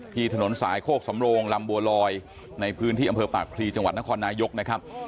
ถนนสายโคกสำโลงลำบัวลอยในพื้นที่อำเภอปากพลีจังหวัดนครนายกนะครับ